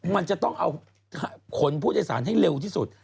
มันจะต้องเอาขนผู้โดยสารให้เร็วที่สุด